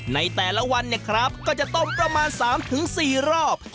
ในแต่ละวันเนี่ยครับก็จะต้มประมาณ๓๔รอบ